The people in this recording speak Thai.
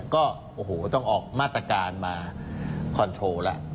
ก็ต้องออกมาตรการมาคอนโทรละ